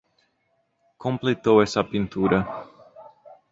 Completou esta pintura